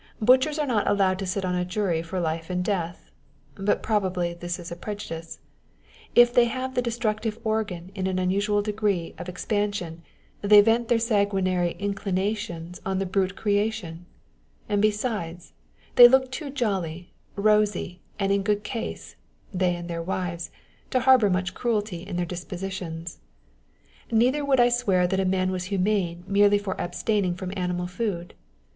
Butchers are not allowed to sit on a jury for life and death ; but probably this is a prejudice : if they have the destructive organ in an unusual degree of expan sion, they vent their sanguinary inclinations on the brute creation ; and besides, they look too jolly, rosy, and in good case (they and their wives), to harbour much cruelty in their dispositions. Neither would I swear that a man was humane merely for abstaining from animal food.